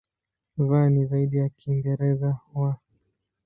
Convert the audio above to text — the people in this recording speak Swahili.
V ni zaidi ya Kiingereza "w".